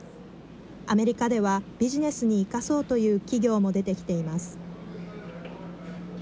アメリカではビジネスに生かそうという企業も出てきています。